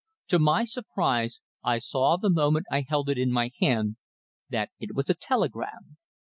To my surprise I saw the moment I held it in my hand that it was a telegram.